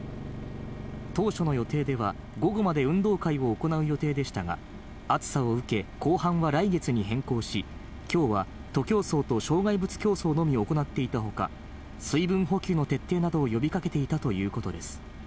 当初の予定では、午後まで運動会を行う予定でしたが、暑さを受け、後半は来月に変更し、きょうは徒競走と障害物競走のみ行っていたほか、水分補給の徹底などを呼びかけていたということです。